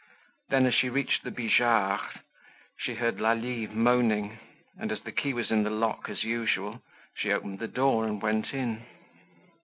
Then, as she reached the Bijards' she heard Lalie moaning, and, as the key was in the lock as usual, she opened the door and went in.